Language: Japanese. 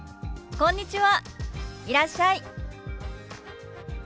「こんにちは。